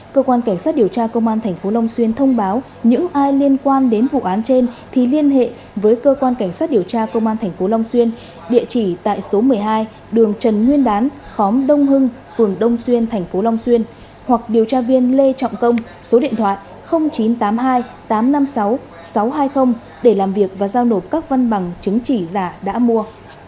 cơ quan cảnh sát điều tra công an tp long xuyên thông báo những ai liên quan đến vụ án trên thì liên hệ với cơ quan cảnh sát điều tra công an tp long xuyên địa chỉ tại số một mươi hai đường trần nguyên đán khóm đông hưng phường đông xuyên tp long xuyên hoặc điều tra viên lê trọng công số điện thoại chín trăm tám mươi hai tám trăm năm mươi sáu sáu trăm hai mươi để làm việc và giao nộp các văn bằng chứng chỉ giả đã mua